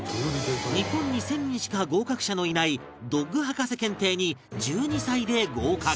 日本に１０００人しか合格者のいないドッグ博士検定に１２歳で合格